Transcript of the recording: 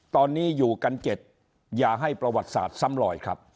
ตอนนี้อยู่กัน๗อย่าให้ประวัติศาสตร์ซ้ำลอยครับ